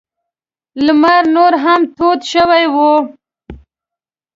لمر نور هم تود شوی و.